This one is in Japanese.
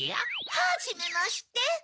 はじめまして。